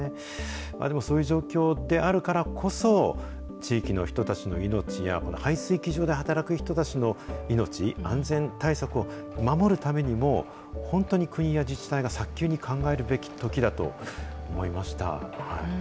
でもそういう状況であるからこそ、地域の人たちの命や、この排水機場で働く人たちの命、安全対策を守るためにも、本当に国や自治体が早急に考えるべきときだと思いました。